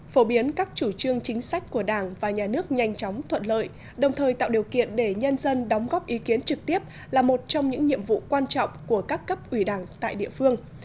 phổ biến các chủ trương chính sách của đảng và nhà nước nhanh chóng thuận lợi đồng thời tạo điều kiện để nhân dân đóng góp ý kiến trực tiếp là một trong những nhiệm vụ quan trọng của các cấp ủy đảng tại địa phương